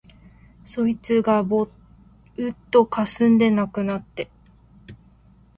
そいつがぼうっとかすんで無くなって、